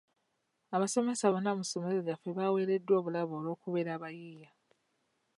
Abasomesa bonna mu ssomero lyaffe baaweereddwa obulabo olw'okubeera abayiiya.